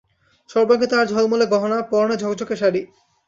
সর্বাঙ্গে তাহার ঝলমলে গহনা, পরনে ঝকঝকে শাড়ি।